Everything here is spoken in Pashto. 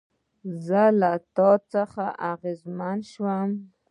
زه له تا څخه اغېزمن شوم